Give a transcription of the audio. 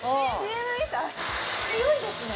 強いですね！